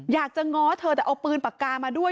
ง้อเธอแต่เอาปืนปากกามาด้วย